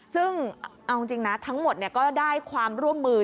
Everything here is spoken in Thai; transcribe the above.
ซึ่งเอาจริงนะทั้งหมดก็ได้ความร่วมมือ